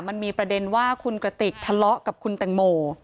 มันมีประเด็นว่าคุณกระติกทะเลาะกับคุณแตงโม